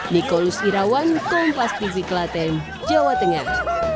nikolus irawan kompas pisi klaten jawa tengah